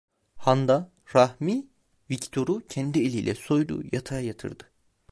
Handa, Rahmi Viktor'u kendi eliyle soydu, yatağa yatırdı…